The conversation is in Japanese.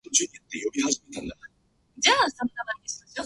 たねをまく